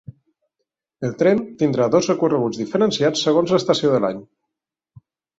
El tren tindrà dos recorreguts diferenciats segons l’estació de l’any.